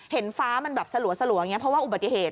เห็นฟ้ามันแบบสะหรัวเพราะว่าอุบัติเหตุ